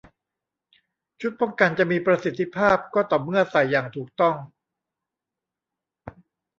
ชุดป้องกันจะมีประสิทธิภาพก็ต่อเมื่อใส่อย่างถูกต้อง